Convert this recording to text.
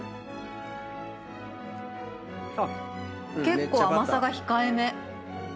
結構甘さが控えめ。